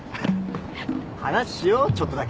話しようちょっとだけ。